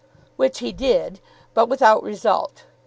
Which he did, but without result.